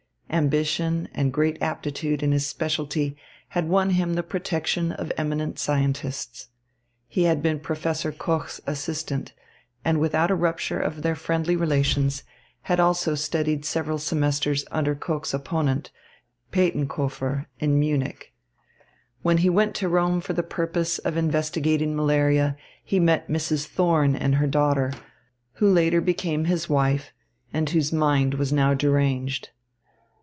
Ambition and great aptitude in his specialty had won him the protection of eminent scientists. He had been Professor Koch's assistant, and, without a rupture of their friendly relations, had also studied several semesters under Koch's opponent, Pettenkofer, in Munich. When he went to Rome for the purpose of investigating malaria, he met Mrs. Thorn and her daughter, who later became his wife and whose mind was now deranged.